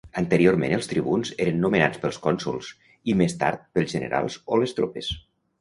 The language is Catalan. Anteriorment els tribuns eren nomenats pels cònsols i més tard pels generals o les tropes.